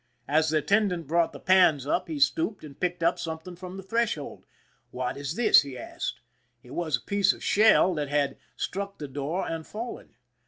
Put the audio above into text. As the attendant brought the pans up, he stooped and picked up something from the threshold. " What is this ?" he asked. It was a piece of shell that had struck the door and fallen.